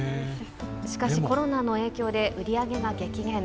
しかし、コロナの影響で売り上げが激減。